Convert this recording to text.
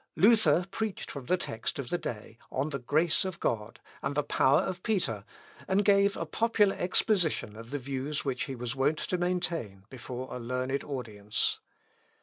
Luther preached from the text of the day, on the grace of God, and the power of Peter, and gave a popular exposition of the views which he was wont to maintain before a learned audience.